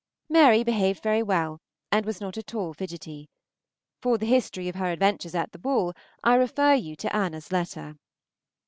Mary behaved very well, and was not at all fidgetty. For the history of her adventures at the ball I refer you to Anna's letter.